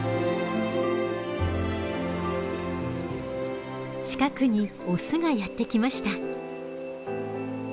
近くにオスがやって来ました。